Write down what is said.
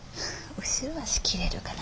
後ろ足切れるかな？